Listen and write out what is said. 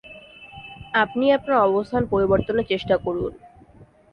আপনি আপনার অবস্থান পরিবর্তনের চেষ্টা করুন।